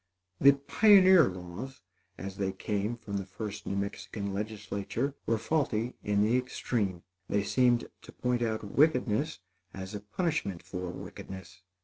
The pioneer laws, as they came from the first New Mexican legislature, were faulty in the extreme. They seemed to point out wickedness as a punishment for wickedness.